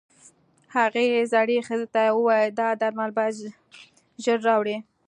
هغې زړې ښځې ته وويل دا درمل بايد ژر راوړې.